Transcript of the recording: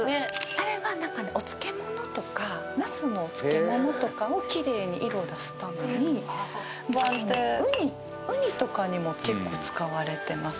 あれはお漬物とかナスのお漬物とかをきれいに色出すためにウニウニとかにも結構使われてます